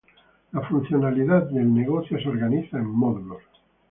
La funcionalidad del negocio se organiza en módulos.